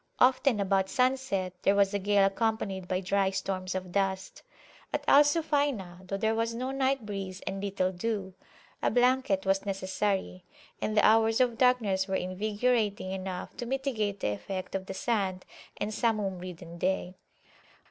Often about sunset there was a gale accompanied by dry storms of dust. At Al Sufayna, though there was no night breeze and little dew, a blanket was necessary, and the hours of darkness were invigorating enough to mitigate the effect of the sand and Samum ridden day.